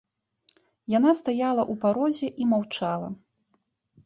Яна стаяла ў парозе і маўчала.